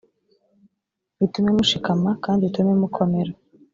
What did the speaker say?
itume mushikama kandi itume mukomera